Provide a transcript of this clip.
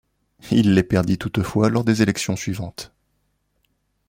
Il les perdit toutefois lors des élections suivantes.